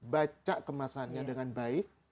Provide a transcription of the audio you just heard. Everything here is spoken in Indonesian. baca kemasannya dengan baik